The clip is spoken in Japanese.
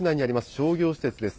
商業施設です。